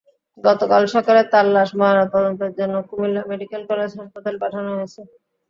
গতকাল সকালে তাঁর লাশ ময়নাতদন্তের জন্য কুমিল্লা মেডিকেল কলেজ হাসপাতালে পাঠানো হয়েছে।